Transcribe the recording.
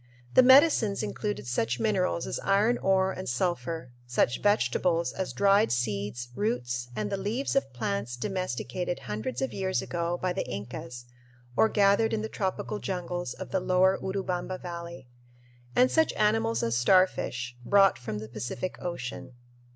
The "medicines" included such minerals as iron ore and sulphur; such vegetables as dried seeds, roots, and the leaves of plants domesticated hundreds of years ago by the Incas or gathered in the tropical jungles of the lower Urubamba Valley; and such animals as starfish brought from the Pacific Ocean.